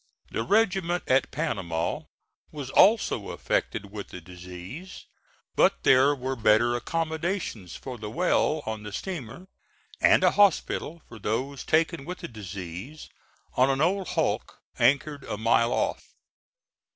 The regiment at Panama was also affected with the disease; but there were better accommodations for the well on the steamer, and a hospital, for those taken with the disease, on an old hulk anchored a mile off.